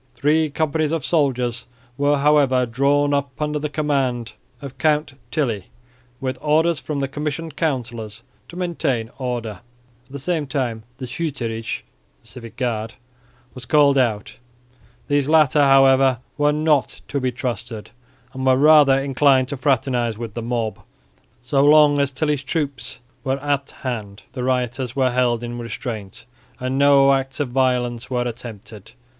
Three companies of soldiers were however drawn up under the command of Count Tilly with orders from the Commissioned Councillors to maintain order. At the same time the schutterij the civic guard was called out. These latter, however, were not to be trusted and were rather inclined to fraternise with the mob. So long as Tilly's troops were at hand, the rioters were held in restraint and no acts of violence were attempted.